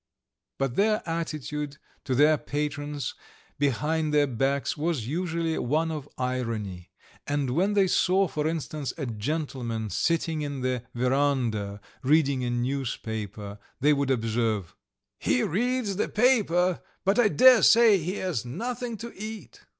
But their attitude to their patrons behind their backs was usually one of irony, and when they saw, for instance, a gentleman sitting in the verandah reading a newspaper, they would observe: "He reads the paper, but I daresay he has nothing to eat."